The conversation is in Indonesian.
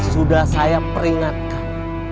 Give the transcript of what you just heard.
sudah saya peringatkan